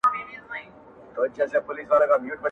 • ننګول مي زیارتونه هغه نه یم -